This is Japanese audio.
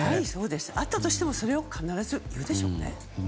あったとしてもそれを必ず言うでしょうね。